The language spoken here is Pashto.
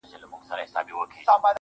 موږ په هر يو گاونډي وهلی گول دی_